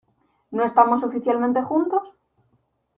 ¿ no estamos oficialmente juntos?